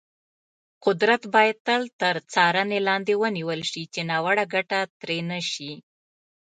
قدرت باید تل تر څارنې لاندې ونیول شي، چې ناوړه ګټه ترې نه شي.